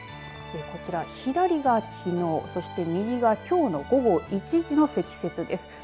こちら左がきのう、右がきょう午後１時の積雪です。